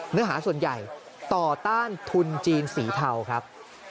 เนื้อหาส่วนใหญ่ต่อต้านทุนจีนสีเทาครับ